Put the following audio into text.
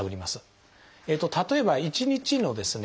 例えば１日のですね